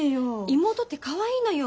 妹ってかわいいのよ。